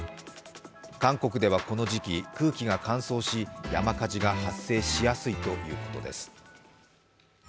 韓国ではこの時期、空気が乾燥し山火事が発生しやすいということです。